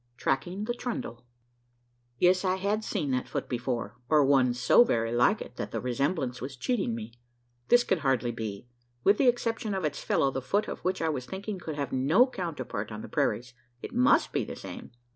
TRACKING THE TRUNDLE. Yes, I had seen that foot before; or one so very like it, that the resemblance was cheating me. This could hardly be. With the exception of its fellow, the foot of which I was thinking could have no counterpart on the prairies: it must be the same?